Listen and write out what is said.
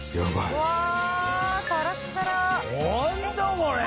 これ。